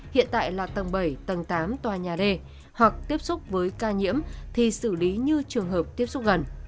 hiện tại là tầng bảy tầng tám tòa nhà r hoặc tiếp xúc với ca nhiễm thì xử lý như trường hợp tiếp xúc gần